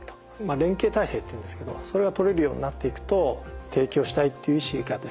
連携体制っていうんですけどそれがとれるようになっていくと提供したいっていう意思がですね